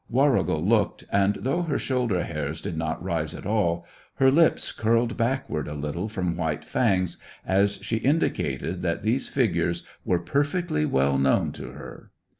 Warrigal looked, and though her shoulder hairs did not rise at all, her lips curled backward a little from white fangs as she indicated that these figures were perfectly well known to her.